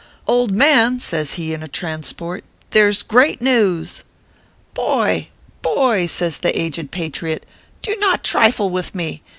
"Old man \" says he, in a transport, " there s great news." "Boy, boy !" says the aged patriot, "do not trifle with me.